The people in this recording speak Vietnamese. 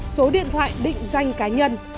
số điện thoại định danh cá nhân